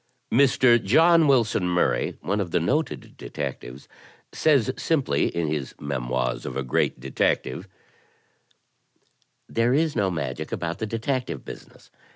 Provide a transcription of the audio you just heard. Mr. John Wilson Murray, one of the noted detectives, says simply in his "Memoirs of a Great Detective": "There is no magic about the detective business.